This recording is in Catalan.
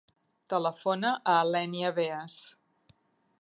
Telefona a l'Ènia Beas.